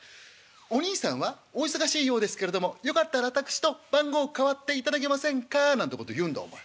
『おにいさんはお忙しいようですけれどもよかったら私と番号代わっていただけませんか？』なんてこと言うんだお前。